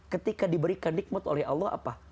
ketika diberikan nikmat oleh allah apa